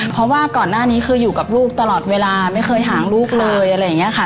เพราะว่าก่อนหน้านี้คืออยู่กับลูกตลอดเวลาไม่เคยห่างลูกเลยอะไรอย่างนี้ค่ะ